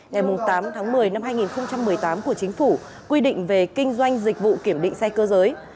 ngày tám tháng một mươi năm hai nghìn một mươi tám của chính phủ quy định về kinh doanh dịch vụ kiểm định xe cơ giới